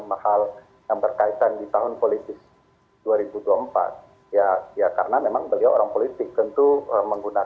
bagaimana pandangannya apakah ini tidak akan berdampak tidak akan berimplikasi sebenarnya